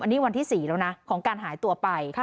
อันนี้วันที่๔แล้วนะของการหายตัวไป